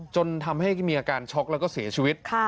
จนทำให้มีอาการช็อกแล้วก็เสียชีวิต